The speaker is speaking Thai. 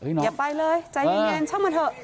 อย่าไปเลยใจเย็นช่างมาเถอะ